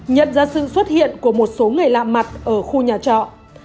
nhận ra sự xuất hiện của một số người làm mặt ở khu nhà trọ